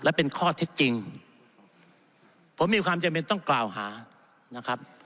และเป็นข้อเท็จจริงผมมีความจำเป็นต้องกล่าวหานะครับ